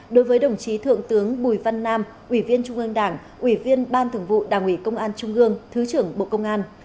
đối với đồng chí thượng tướng bùi văn nam ủy viên trung ương đảng ủy viên ban thường vụ đảng ủy công an trung ương thứ trưởng bộ công an